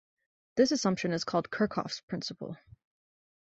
This assumption is called Kerckhoffs's principle.